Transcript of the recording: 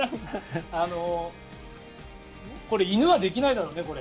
これ、犬はできないだろうね。